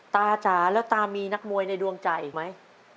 ตาจ๋าและตามีนักมวยในดวงใจมั้ย